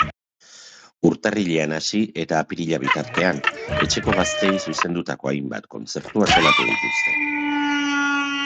Urtarrilean hasi eta apirila bitartean, etxeko gazteei zuzendutako hainbat kontzertu antolatu dituzte.